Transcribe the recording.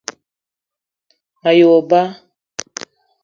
Me ye wo ba